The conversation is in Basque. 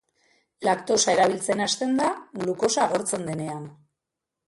Laktosa erabiltzen hasten da glukosa agortzen denean.